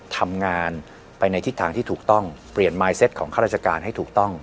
ทำงานไปในทิศทางที่ถูกต้องเปลี่ยนมายเซ็ตของข้าราชการให้ถูกต้อง